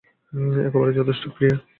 একবারই যথেষ্ট, প্রিয়ে।